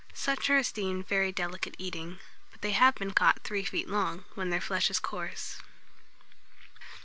Such are esteemed very delicate eating; but they have been caught three feet long, when their flesh is coarse.